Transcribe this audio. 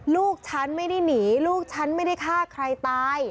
ลูกฉันไม่ได้หนีลูกฉันไม่ได้ฆ่าใครตาย